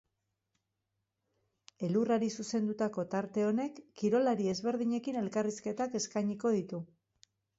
Elurrari zuzendutako tarte honek kirolari ezberdinekin elkarrizketak eskainiko ditu.